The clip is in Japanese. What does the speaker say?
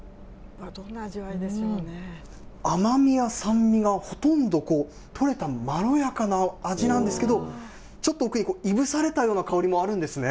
甘みや酸味がほとんどとれたまろやかな味なんですけれども、ちょっと奥にこう、いぶされたような香りもあるんですね。